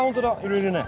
いるね。